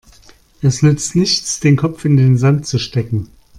Es nützt nichts, den Kopf in den Sand zu stecken.